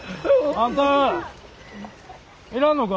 あんたはいらんのか。